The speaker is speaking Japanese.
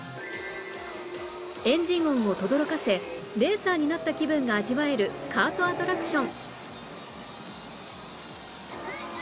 エンジン音を轟かせレーサーになった気分が味わえるカートアトラクション